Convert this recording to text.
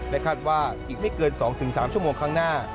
คาดว่าอีกไม่เกิน๒๓ชั่วโมงข้างหน้า